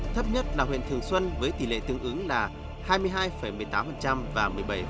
thấp nhất là huyện thường xuân với tỷ lệ tương ứng là hai mươi hai một mươi tám và một mươi bảy